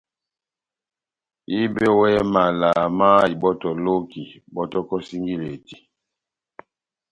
Ehɨbɛwɛ mala má ibɔ́tɔ loki, bɔ́tɔkɔ singileti.